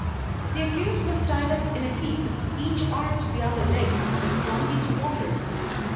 The accused was tied up in a heap, each arm to the other leg, and flung into water.